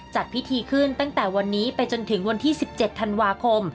จัดพิธีขึ้นตั้งแต่วันนี้ไปจนถึงวันที่๑๗ธันวาคม